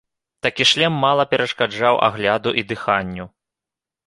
Такі шлем мала перашкаджаў агляду і дыханню.